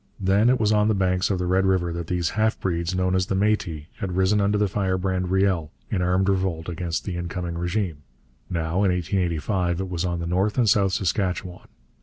Then it was on the banks of the Red River that these half breeds, known as Métis, had risen under the firebrand Riel in armed revolt against the incoming régime. Now, in 1885, it was on the North and South Saskatchewan.